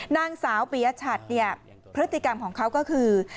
นางสาวปียชัดเนี่ยพฤติกรรมของเขาก็คือ